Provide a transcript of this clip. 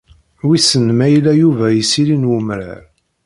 Wissen ma ila Yuba isili n umrar.